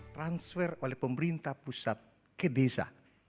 transfer oleh pemerintah pusat ke desa